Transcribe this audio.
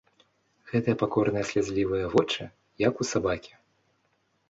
Гэтыя пакорныя слязлівыя вочы, як у сабакі.